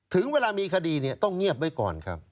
ถึงเวลามีคดีต้องเงียบไว้ก่อนครับ